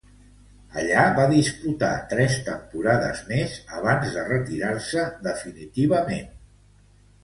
Allí va disputar tres temporades més abans de retirar-se definitivament.